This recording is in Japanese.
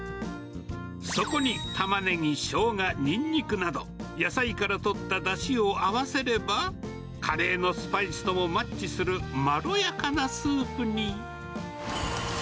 そこにタマネギ、ショウガ、ニンニクなど、野菜からとっただしを合わせれば、カレーのスパイスともマッチするまろやかなスープに。